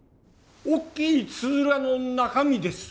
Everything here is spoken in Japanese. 大きいつづらの中身です。